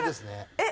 えっ。